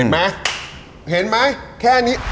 มาเห็นมั้ยแค่นี้